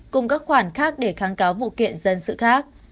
cùng các khoản khác để kháng cáo vụ kiện dân sự khác